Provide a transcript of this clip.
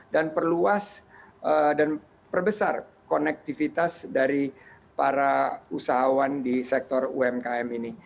dan perluas dan perbesar konektivitas dari para usahawan di sektor umkm ini